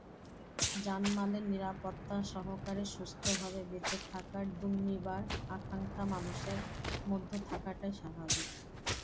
জানমালের নিরাপত্তাসহকারে সুস্থভাবে বেঁচে থাকার দুর্নিবার আকাঙ্ক্ষা মানুষের মধ্যে থাকাটাই স্বাভাবিক।